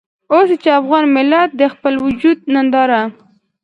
اوس چې افغان ملت د خپل وجود ننداره.